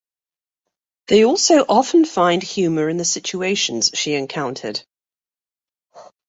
They also often find humour in the situations she encountered.